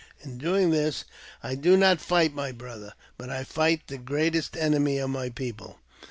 In doing this, I do not fight my brother, but I fight the greatest enemy of my people.